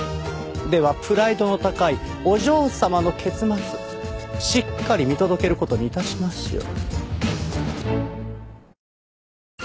ではプライドの高いお嬢様の結末しっかり見届ける事に致しましょう。